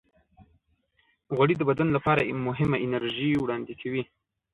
غوړې د بدن لپاره مهمه انرژي وړاندې کوي.